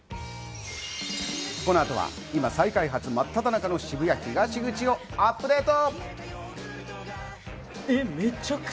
この後は今、再開発まっただ中の渋谷東口をアップデート！